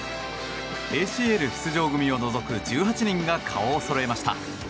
ＡＣＬ出場組を除く１８人が顔をそろえました。